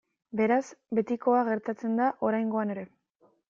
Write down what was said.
Beraz, betikoa gertatzen da oraingoan ere.